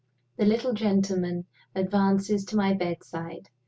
THE little gentleman advances to my bedside.